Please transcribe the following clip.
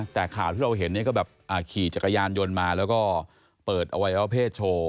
แต่ข่าวที่เราเห็นเนี่ยก็แบบขี่จักรยานยนต์มาแล้วก็เปิดอวัยวะเพศโชว์